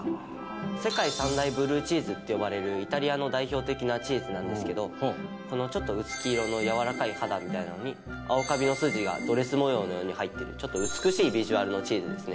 世界三大ブルーチーズって呼ばれるイタリアの代表的なチーズなんですけどこのちょっと薄黄色のやわらかい肌みたいなのに青カビの筋がドレス模様のように入ってるちょっと美しいビジュアルのチーズですね。